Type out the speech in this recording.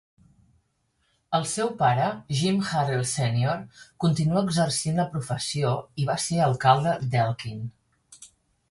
El seu pare, Jim Harrell Senior, continua exercint la professió i va ser alcalde d'Elkin.